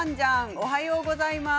おはようございます。